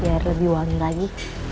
biar lebih wangi lagi